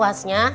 saya tidak tahu